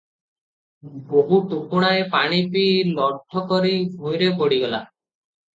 ବୋହୂ ଟୁକୁଣାଏ ପାଣି ପିଇ ଲଠକରି ଭୂଇଁରେ ପଡ଼ିଗଲା ।